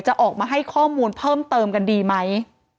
จะออกมาให้ข้อมูลเพิ่มเติมกันดีไหม